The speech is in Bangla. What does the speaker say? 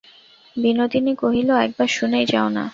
বিনোদিনী কহিল, একবার শুনেই যাও না।